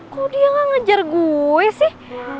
kok dia gak ngejar gue sih